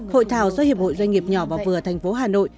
hội thảo do hiệp hội doanh nghiệp nhỏ và vừa thành phố hà nội